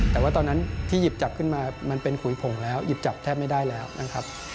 แต่ว่าตอนนั้นที่หยิบจับขึ้นมามันเป็นขุยผงแล้วหยิบจับแทบไม่ได้แล้วนะครับ